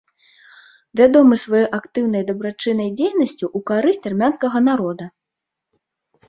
Вядомы сваёй актыўнай дабрачыннай дзейнасцю ў карысць армянскага народа.